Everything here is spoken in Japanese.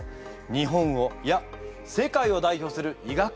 日本をいや世界を代表する医学博士です。